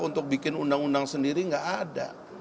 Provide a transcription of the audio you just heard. untuk bikin undang undang sendiri nggak ada